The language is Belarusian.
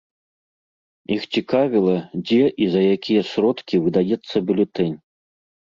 Іх цікавіла, дзе і за якія сродкі выдаецца бюлетэнь.